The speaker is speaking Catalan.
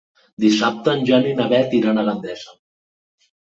Dissabte en Jan i na Beth iran a Gandesa.